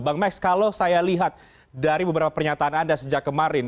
bang max kalau saya lihat dari beberapa pernyataan anda sejak kemarin